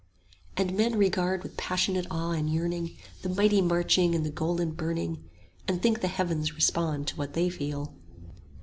And men regard with passionate awe and yearning 5 The mighty marching and the golden burning, And think the heavens respond to what they feel.